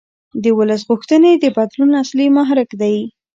د ولس غوښتنې د بدلون اصلي محرک دي